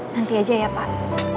nanti aja ya pak